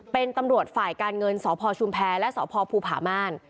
เป็นตำรวจฝ่ายการเงินสพชุมแพรและสพภูผาม่าน